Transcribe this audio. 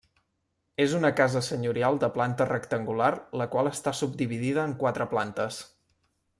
És una casa senyorial de planta rectangular la qual està subdividida en quatre plantes.